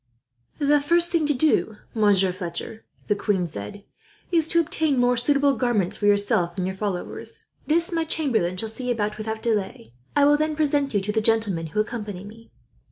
"The first thing to do, Monsieur Fletcher," the queen said, "is to obtain more suitable garments for yourself and your followers. This my chamberlain shall see about, without delay. I will then present you to the gentlemen who accompany me.